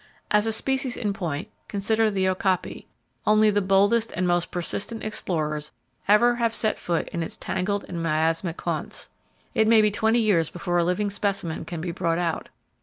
As a species in point, consider the okapi. Only the boldest and most persistent explorers ever have set foot in its tangled and miasmatic haunts. It may be twenty years before a living specimen can be brought out.